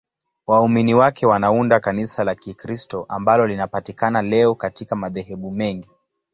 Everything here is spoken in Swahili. Waumini wake wanaunda Kanisa la Kikristo ambalo linapatikana leo katika madhehebu mengi.